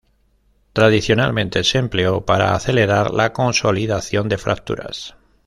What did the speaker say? Tradicionalmente se empleó para acelerar la consolidación de fracturas.